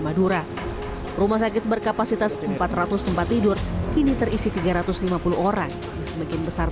madura rumah sakit berkapasitas empat ratus tempat tidur kini terisi tiga ratus lima puluh orang sebagian besar